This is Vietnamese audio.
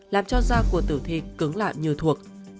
làm cho da của tử thi cứng lạ như thuộc